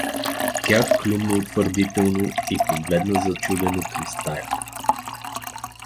Тя клюмна утвърдително и погледна зачудено към стаята.